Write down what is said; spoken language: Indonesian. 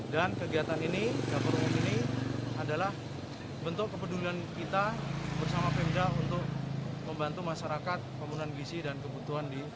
dan kegiatan ini dapur umum ini adalah bentuk kepedulian kita bersama pemda untuk membantu masyarakat pembunuhan gisi dan kebutuhan di banjar seroka